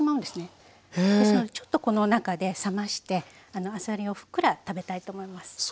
ですのでちょっとこの中で冷ましてあさりをふっくら食べたいと思います。